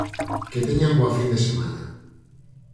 Que teñan boa fin de semana.